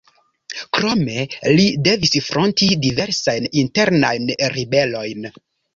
Krome li devis fronti diversajn internajn ribelojn.